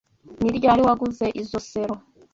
Ni ryari waguze izoi selo?